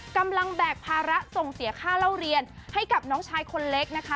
แบกภาระส่งเสียค่าเล่าเรียนให้กับน้องชายคนเล็กนะคะ